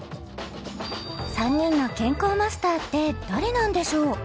［３人の健康マスターって誰なんでしょう？］